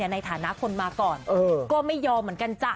ในฐานะคนมาก่อนก็ไม่ยอมเหมือนกันจ้ะ